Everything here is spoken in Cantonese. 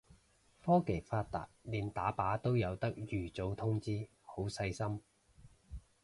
科技發達連打靶都有得預早通知，好細心